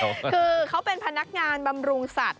คือเขาเป็นพนักงานบำรุงสัตว